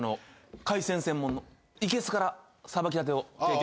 海鮮専門のいけすからさばきたてを提供しますんで。